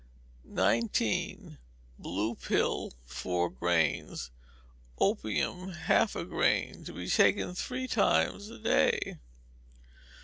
19. Blue pill, four grains; opium, half a grain: to be taken three times a day.